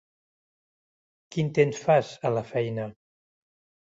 Quin temps fas, a la feina?